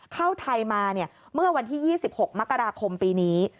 เข้าไทยมาเมื่อวันที่๒๖มกราคมปีนี้